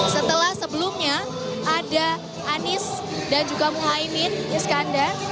setelah sebelumnya ada anies dan juga muhaymin iskandar